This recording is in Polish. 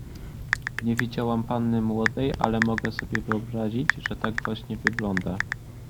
Nie widziałam panny młodej, ale mogę sobie wyobrazić, że tak właśnie wygląda!